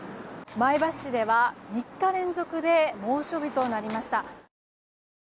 前橋市では３日連続で猛暑日となりました。